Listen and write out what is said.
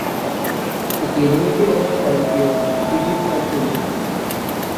এটি এনিমেটেড এবং সক্রিয় পিডিএফ ফাইল তৈরী করতে পারে।